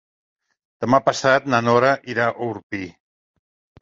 Demà passat na Nora irà a Orpí.